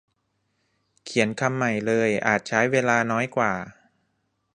เขียนคำใหม่เลยอาจใช้เวลาน้อยกว่า